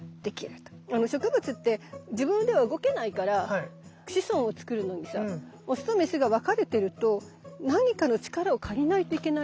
植物って自分では動けないから子孫を作るのにさオスとメスが分かれてると何かの力を借りないといけないわけでしょ？